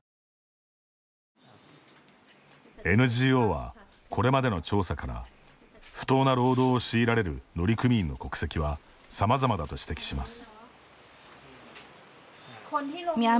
ＮＧＯは、これまでの調査から不当な労働を強いられる乗組員の国籍はさまざまだと指摘します。